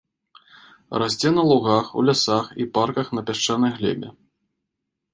Расце на лугах, у лясах і парках на пясчанай глебе.